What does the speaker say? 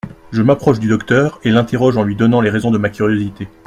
Je m'approche du docteur et l'interroge en lui donnant les raisons de ma curiosité.